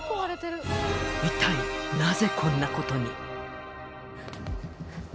一体なぜこんな事に？